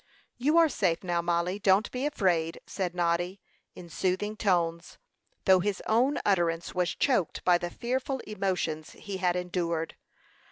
"You are safe now, Mollie. Don't be afraid," said Noddy, in soothing tones, though his own utterance was choked by the fearful emotions he had endured.